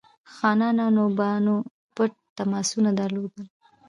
خانانو او نوابانو پټ تماسونه درلودل.